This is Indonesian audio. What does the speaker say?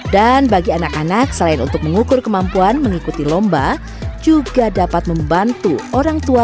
dan bagi anak anak selain untuk mengukur kemampuan mengikuti lomba juga dapat membantu orangtua